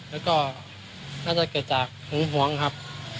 แล้วก็น่าจะเกิดจากหึงหวงครับ